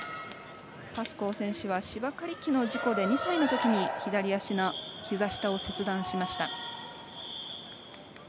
パスコー選手は芝刈り機の事故で２歳のときにひざ下を切断しました。